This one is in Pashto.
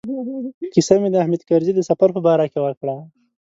کیسه مې د حامد کرزي د سفر په باره کې وکړه.